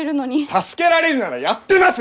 助けられるならやってます！